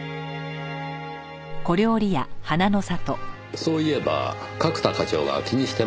そういえば角田課長が気にしてましたね。